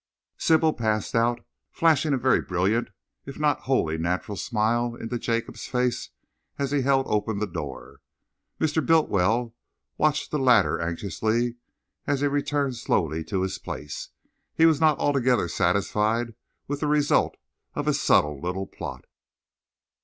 Sybil passed out, flashing a very brilliant if not wholly natural smile into Jacob's face, as he held open the door. Mr. Bultiwell watched the latter anxiously as he returned slowly to his place. He was not altogether satisfied with the result of his subtle little plot.